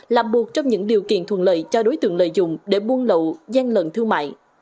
là một trong những điều kiện thuận lợi cho đối tượng lợi dụng để buôn lậu gian lận thương mại